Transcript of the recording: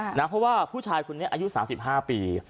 เพราะว่าผู้ชายคนนี้อายุ๓๕ปี